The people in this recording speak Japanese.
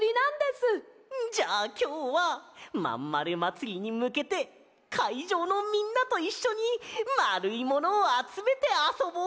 じゃあきょうはまんまるまつりにむけてかいじょうのみんなといっしょにまるいものをあつめてあそぼうぜ！